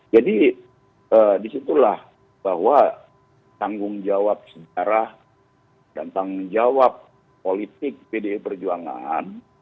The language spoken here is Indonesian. jadi disitulah bahwa tanggung jawab sejarah dan tanggung jawab politik pdi perjuangan